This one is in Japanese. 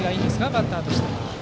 バッターとしては。